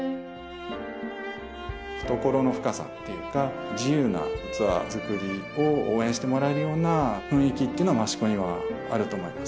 懐の深さっていうか自由な器作りを応援してもらえるような雰囲気っていうのが益子にはあると思います